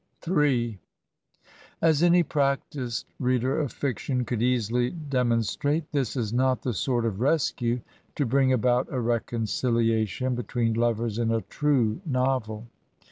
" in As any practised reader of fiction could easily de monstrate, this is not the sort of rescue to bring about a reconciliation between lovers in a trtie novel.